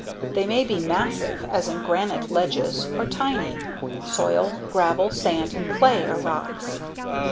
They may be massive, as in granite ledges, or tiny. Soil, gravel, sand and clay are rocks.